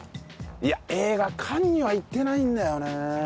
いや映画館には行ってないんだよね。